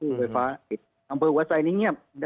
คือไฟฟ้าอุตส่ายนิ่งเงียบ